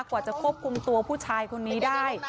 กว่าจะควบคุมตัวผู้ชายคนนี้ได้